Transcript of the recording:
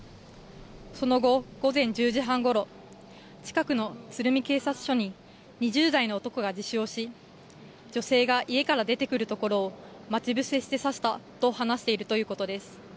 その後、午前１０時半ごろ、近くの鶴見警察署に２０代の男が自首をし、女性が家から出てくるところを待ち伏せして刺したと話しているということです。